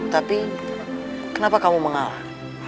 tapi kenapa kamu mengalah